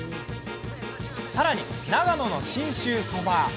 さらに、長野の信州そば。